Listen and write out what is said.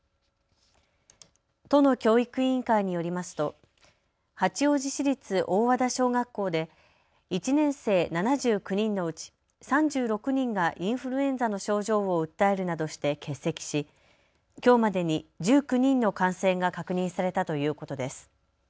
都の教育委員会によりますと八王子市立大和田小学校で１年生７９人のうち３６人がインフルエンザの症状を訴えるなどして欠席し、きょうまでに１９人の感染が確認されたということです。